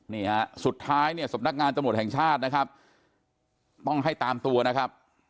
นี่ฮะสุดท้ายเนี่ยสำนักงานตำรวจแห่งชาตินะครับต้องให้ตามตัวนะครับ